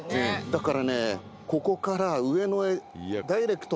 だからねここから。